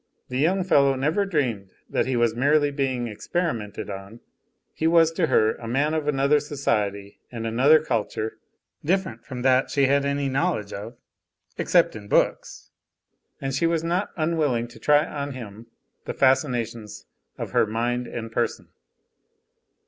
The young fellow never dreamed that he was merely being experimented on; he was to her a man of another society and another culture, different from that she had any knowledge of except in books, and she was not unwilling to try on him the fascinations of her mind and person.